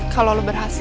kalo lo berhasil